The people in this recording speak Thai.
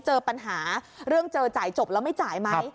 เจอปัญหาเรื่องเจอจ่ายจบแล้วไม่จ่ายไหม